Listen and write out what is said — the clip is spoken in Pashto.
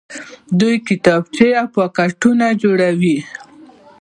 دوی کتابچې او پاکټونه جوړوي.